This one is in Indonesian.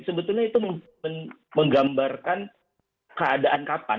sebetulnya itu menggambarkan keadaan kapan